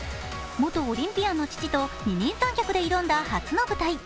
元オリンピアンの父と二人三脚で挑んだ初の舞台。